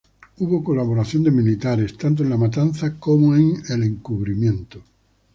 Hubo colaboración de militares tanto en la matanza como en el encubrimiento.